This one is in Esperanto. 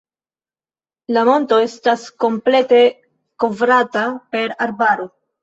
La monto estas komplete kovrata per arbaro.